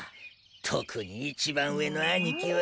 特に一番上の兄貴は。